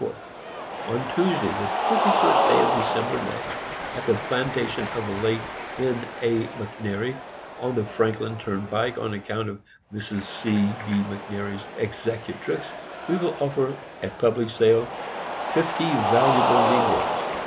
On TUESDAY, the 21st day of December next, at the Plantation of the late N. A. MCNAIRY, on the Franklin Turnpike, on account of Mrs. C. B. McNairy, Executrix, we will offer at Public Sale FIFTY VALUABLE NEGROES.